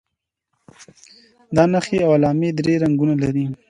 دا نښې او علامې درې رنګونه لري.